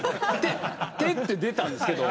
「手」って出たんですけど